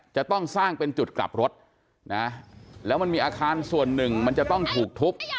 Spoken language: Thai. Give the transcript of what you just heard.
จะต้องสร้างเป็นจุดกลับรถนะแล้วมันมีอาคารส่วนหนึ่งมันจะต้องถูกทุบ